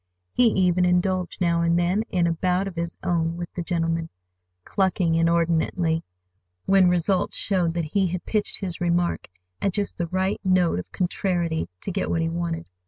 He even indulged now and then in a bout of his own with the gentleman, chuckling inordinately when results showed that he had pitched his remark at just the right note of contrariety to get what he wanted.